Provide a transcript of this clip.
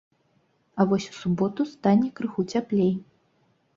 А вось у суботу стане крыху цяплей.